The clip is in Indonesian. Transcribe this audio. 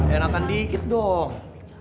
enakan dikit dong